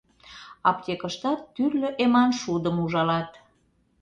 — Аптекыштат тӱрлӧ эман шудым ужалат.